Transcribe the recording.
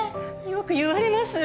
よく言われます。